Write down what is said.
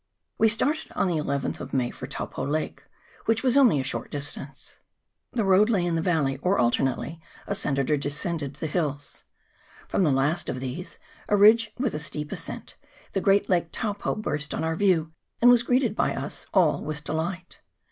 WE started on the llth of May for Taupo lake, which was only at a short distance. The road lay in the valley, or alternately ascended or descended the hills. From the last of these, a ridge with a steep ascent, the great Lake Taupo burst on our view, and was greeted by us all with delight.